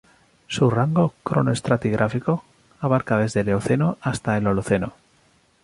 Su rango cronoestratigráfico abarca desde el Eoceno hasta el Holoceno.